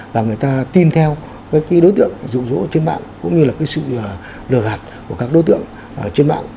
và người ta tin theo với cái đối tượng dụ dỗ trên mạng cũng như là cái sự lừa gạt của các đối tượng trên mạng